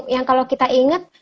yang kalau kita ingat